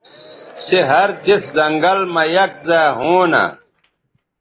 سے ہر دِس زنگل مہ یک زائے ہونہ